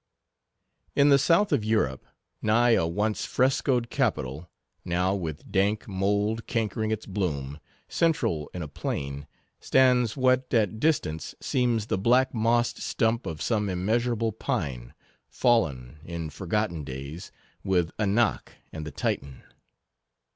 In the south of Europe, nigh a once frescoed capital, now with dank mould cankering its bloom, central in a plain, stands what, at distance, seems the black mossed stump of some immeasurable pine, fallen, in forgotten days, with Anak and the Titan.